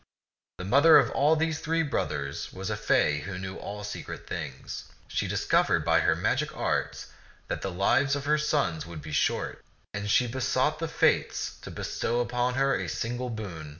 The mother of these three brothers was a fay who knew all secret things. She discovered by her magic arts that the lives of her sons would be short, and she besought the Fates to bestow upon her a single boon.